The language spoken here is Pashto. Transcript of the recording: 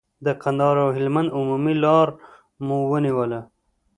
د کندهار او هلمند عمومي لار مو ونیوله.